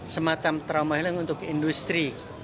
semacam trauma healing untuk industri